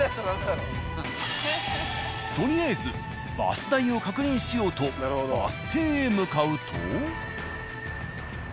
とりあえずバス代を確認しようとバス停へ向かうと。